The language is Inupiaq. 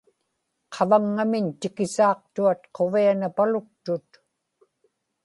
qavaŋŋamiñ tikisaaqtuat quvianapaluktut